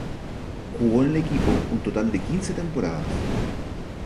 Jugó en el equipo un total de quince temporadas.